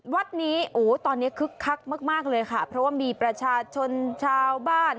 วัดนี้โอ้ตอนนี้คึกคักมากมากเลยค่ะเพราะว่ามีประชาชนชาวบ้าน